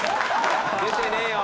出てねえよ。